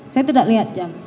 saya tidak lihat jam